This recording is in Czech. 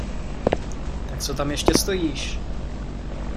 Tak co tam ještě stojíš?